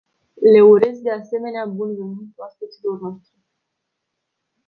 Le urez de asemenea bun venit oaspeților noștri.